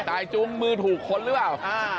ใต้จูงมือถูกค้นหรือเปล่า